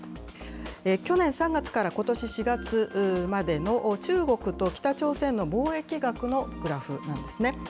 去年３月からことし４月までの中国と北朝鮮の貿易額のグラフなんですね。